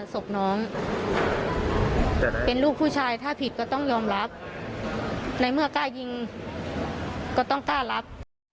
ศพน้องเป็นลูกผู้ชายถ้าผิดก็ต้องยอมรับในเมื่อกล้ายิงก็ต้องกล้ารับ